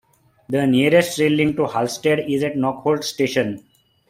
The nearest rail link to Halstead is at Knockholt station.